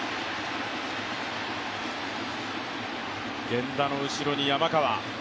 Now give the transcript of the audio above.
源田の後ろに山川。